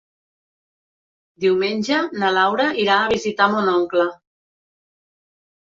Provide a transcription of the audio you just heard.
Diumenge na Laura irà a visitar mon oncle.